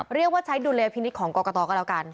เรียกว่าใช้ดุลยพินิษฐ์ของกรกตก็แล้วกัน